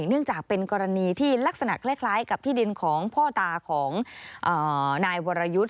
เนื่องจากเป็นกรณีที่ลักษณะคล้ายกับที่ดินของพ่อตาของนายวรยุทธ์